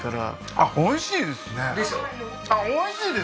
あっおいしいですね